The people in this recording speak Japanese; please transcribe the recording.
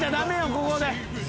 ここで。